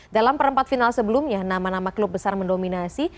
dalam perempat final sebelumnya nama nama klub besar mendominasi